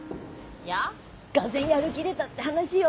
いやがぜんやる気出たって話よ。